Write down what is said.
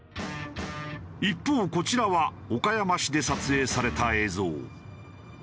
一方こちらは岡山市で撮影された映像。